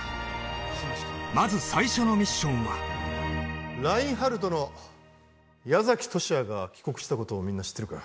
まず最初のミッションはラインハルトの矢崎十志也が帰国したことをみんな知ってるか？